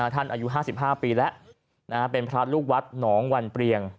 ท่านอายุห้าสิบห้าปีแล้วนะฮะเป็นพระลูกวัดหนองวันเปลี่ยง